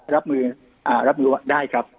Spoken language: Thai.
รับมือได้ครับ